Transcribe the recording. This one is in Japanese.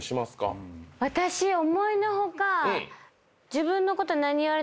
私思いの外。